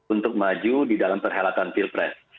untuk maju di dalam perhelatan field press